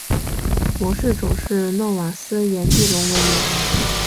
模式种是诺瓦斯颜地龙为名。